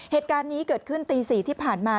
เหตุการณ์นี้เกิดขึ้นตี๔ที่ผ่านมา